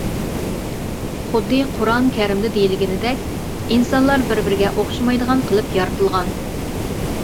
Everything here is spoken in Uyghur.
خۇددى قۇرئان كەرىمدە دېيىلگىنىدەك، ئىنسانلار بىر-بىرىگە ئوخشىمايدىغان قىلىپ يارىتىلغان.